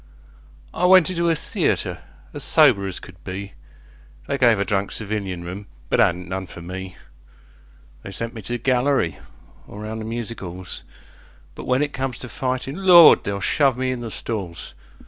I went into a theatre as sober as could be, They gave a drunk civilian room, but 'adn't none for me; They sent me to the gallery or round the music 'alls, But when it comes to fightin', Lord! they'll shove me in the stalls!